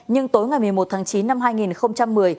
nhưng tối ngày một mươi một tháng chín năm hai nghìn một mươi